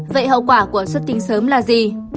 vậy hậu quả của xuất tinh sớm là gì